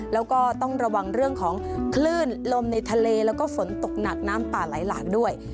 แล้วก็ต้องระวังเรื่องของคลื่นลมในทะเลแล้วก็ฝนตกหนักน้ำป่าไหลหลากด้วย